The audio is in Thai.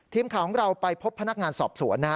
ทีมข่าวของเราไปพบพนักงานสอบสวนนะฮะ